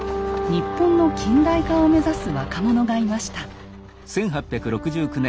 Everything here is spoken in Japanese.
日本の近代化を目指す若者がいました。